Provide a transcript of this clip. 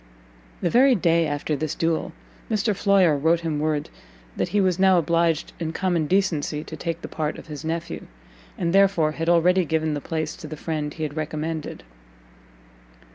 The very day after this duel, Mr Floyer wrote him word that he was now obliged in common decency to take the part of his nephew, and therefore had already given the place to the friend he had recommended.